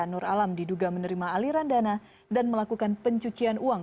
nur alam diduga menerima aliran dana dan melakukan pencucian uang